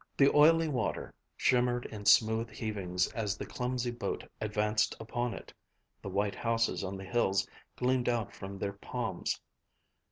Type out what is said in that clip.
The oily water shimmered in smooth heavings as the clumsy boat advanced upon it. The white houses on the hills gleamed out from their palms.